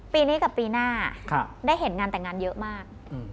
ปีนี้กับปีหน้าได้เห็นงานแต่งงานเยอะมาก